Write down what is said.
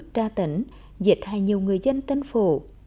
đánh giá tấn diệt hại nhiều người dân tân phổ